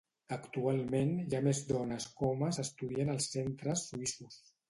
Actualment hi ha més dones que homes estudiant als centres suïssos.